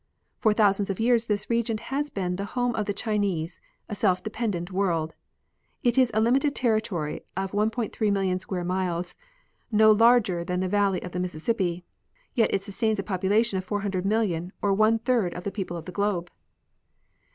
For thousands of years this region has been the home of the Chinese, a self dependent world. It is a limited territory of 1,300,000 square miles area, no larger than the valley of the Mississippi ; yet it sustains a jjopulation of 400,000,000, or one third of the joeople of the globe.